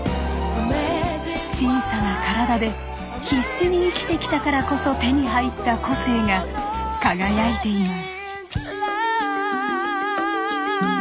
小さな体で必死に生きてきたからこそ手に入った個性が輝いています。